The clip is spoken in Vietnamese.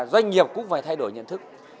doanh nghiệp cũng phải thay đổi nhận thức